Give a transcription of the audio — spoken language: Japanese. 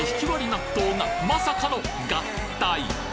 納豆がまさかの合体！